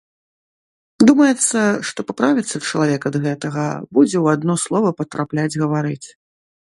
Думаецца, што паправіцца чалавек ад гэтага, будзе ў адно слова патрапляць гаварыць.